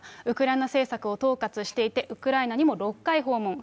ウクライナ政策を統括していて、ウクライナにも６回訪問。